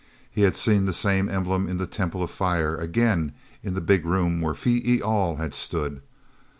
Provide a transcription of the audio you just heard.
He had seen the same emblem in the temple of fire, again in the big room where Phee e al had stood.